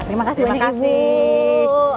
terima kasih banyak ibu